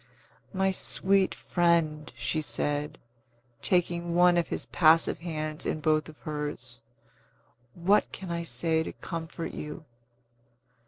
"My sweet friend," she said, taking one of his passive hands in both of hers, "what can I say to comfort you?"